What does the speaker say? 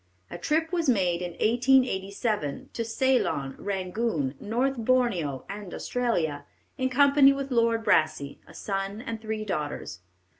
A trip was made in 1887 to Ceylon, Rangoon, North Borneo and Australia, in company with Lord Brassey, a son, and three daughters.